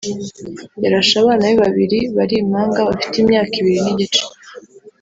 yarashe abana be babiri [bari impanga] bafite imyaka ibiri n’igice